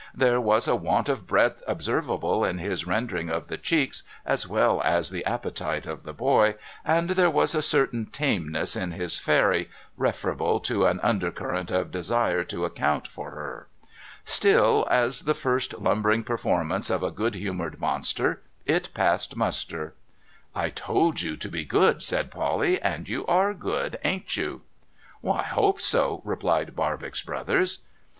There was a want of breadth observable in his rendering of the cheeks, as well as the appetite, of the boy ; and there was a certain tameness in his fair} , referable to an under current of desire to account for her. Still, as the first lumbering performance of a good humoured monster, it passed muster. ' 1 told you to be good,' said Polly, ' and you are good, ain't you?' A SUCCESSFUL BUILDER 44, * I hope so,' replied Barbox Brothers.